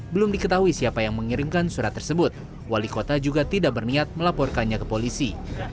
belum diketahui siapa yang mengirimkan surat tersebut wali kota juga tidak berniat melaporkannya ke polisi